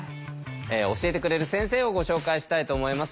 教えてくれる先生をご紹介したいと思います。